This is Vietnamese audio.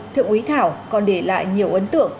phương thảo còn để lại nhiều ấn tượng